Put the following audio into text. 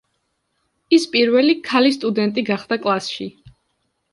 ის პირველი ქალი სტუდენტი გახდა კლასში.